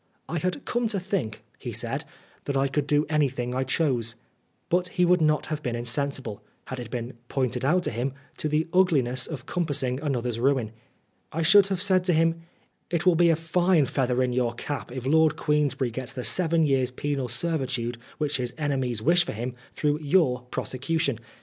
" I had come to think," he said, " that I could do anything I chose." But he would not have been insensible, had it been pointed out to him, to the ugliness of compassing another's ruin. I should have said to him, "It will be a fine feather in your cap if Lord Queensberry gets the seven years' penal servitude which his enemies wish for him, through your prosecution